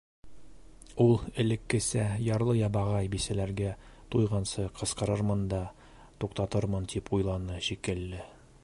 Ул, элеккесә, ярлы-ябағай бисәләргә туйғансы ҡысҡырырмын да туҡтатырмын тип уйланы, шикелле.